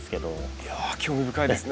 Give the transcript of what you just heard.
いや興味深いですね。